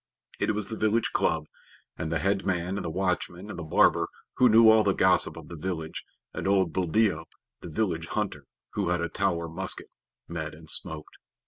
It was the village club, and the head man and the watchman and the barber, who knew all the gossip of the village, and old Buldeo, the village hunter, who had a Tower musket, met and smoked.